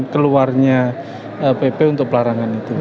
keluarnya pp untuk pelarangan itu